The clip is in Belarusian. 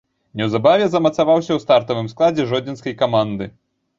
Неўзабаве замацаваўся ў стартавым складзе жодзінскай каманды.